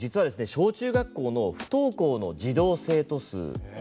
小中学校の不登校の児童生徒数。